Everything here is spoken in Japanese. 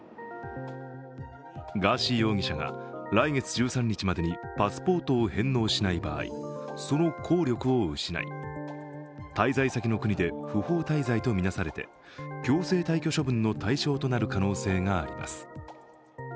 ガーシー容疑者が来月１３日までにパスポートを返納しない場合その効力を失い、滞在先の国で不法滞在とみなされて強制退去処分の対象となる可能性があります。